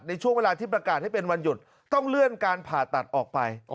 ในช่วงเวลาที่ประกาศให้เป็นวันหยุดต้องเลื่อนการผ่าตัดออกไป